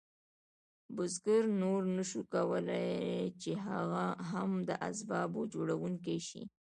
بزګر نور نشو کولی چې هم د اسبابو جوړونکی شي.